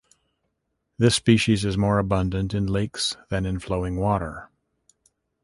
This species is more abundant in lakes than in flowing water.